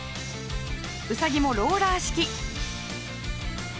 ウサギもローラー式。